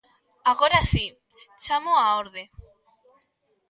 Agora si, chámoo á orde.